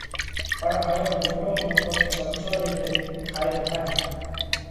پڻ هائيون موٽون موٽون چمچون ري ڪري کائي نتا هيڪتا۔